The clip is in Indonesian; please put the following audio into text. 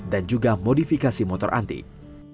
dan juga modifikasi motor antik